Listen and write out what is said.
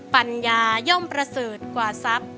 ปัญญาย่อมประสืทกว่าซัก